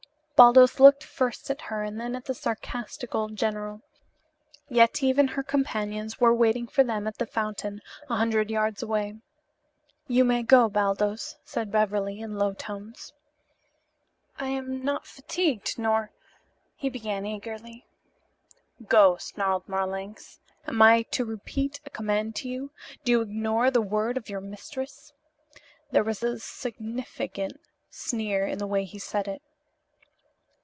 Baldos looked first at her and then at the sarcastic old general. Yetive and her companions were waiting for them at the fountain, a hundred yards ahead. "You may go, Baldos," said Beverly in low tones. "I am not fatigued nor " he began eagerly. "Go!" snarled Marlanx. "Am I to repeat a command to you? Do you ignore the word of your mistress?" There was a significant sneer in the way he said it.